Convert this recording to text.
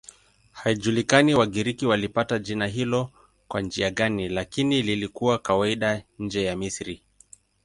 Haijulikani Wagiriki walipata jina hilo kwa njia gani, lakini lilikuwa kawaida nje ya Misri.